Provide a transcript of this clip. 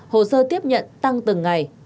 hồ sơ tiếp nhận tăng từng ngày